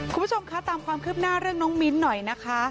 คุณผู้ชมคะตามความคืบหน้าเรื่องน้องมิ้นหน่อยนะคะ